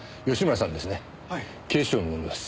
警視庁の者です。